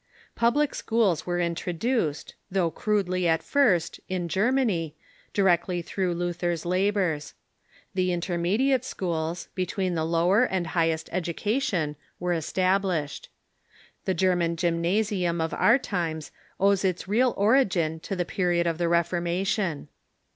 Public schools were introduced, though crudely at first, in Germany, directly through Luther's labors. The intermediate schools, between the lower and highest education, were established. The Ger man gymnasium of our times owes its real origin to the period of the Reformation.